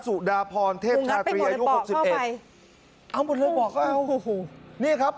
สุดาพรเทพชาตรีอายุ๖๑เอาหมดเรือปอกก็เอาโอ้โหนี่ครับ